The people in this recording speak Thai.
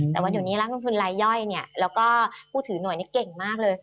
แต่วันเดี๋ยวนี้รัฐกองทุนไร่ย่อยเนี่ยแล้วก็ผู้ถือหน่วยเนี่ยเก่งมากเลย